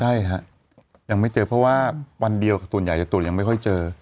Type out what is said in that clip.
ใช่ฮะยังไม่เจอเพราะว่าวันเดียวส่วนใหญ่จะตรวจยังไม่ค่อยเจอ